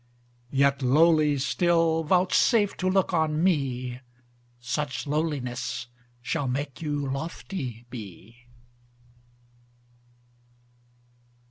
Yet lowly still vouchsafe to look on me, Such lowliness shall make you lofty be.